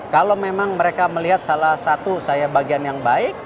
kalau memang mereka melihat salah satu saya bagian yang baik